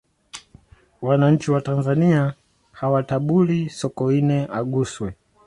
wananchi wa tanzania hawatabuli sokoine aguswe